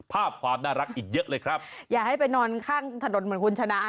ภาพความน่ารักอีกเยอะเลยครับอย่าให้ไปนอนข้างถนนเหมือนคุณชนะ